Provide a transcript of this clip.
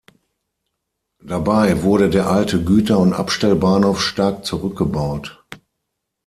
Dabei wurde der alte Güter- und Abstellbahnhof stark zurückgebaut.